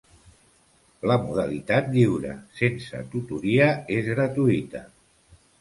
La modalitat lliure, sense tutoria, és gratuïta.